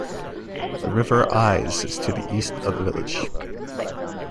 The River Ise is to the east of the village.